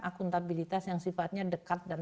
akuntabilitas yang sifatnya dekat dan